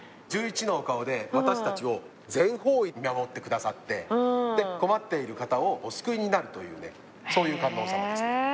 １１のお顔で私たちを全方位見守ってくださって困っている方をお救いになるというねそういう観音さまですね。